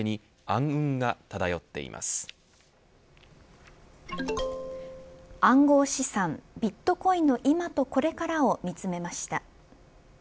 暗号資産ビットコインの今とこれからを見つめました。